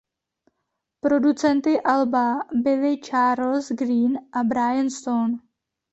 Producenty alba byli Charles Greene a Brian Stone.